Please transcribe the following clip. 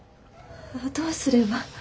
どうすれば。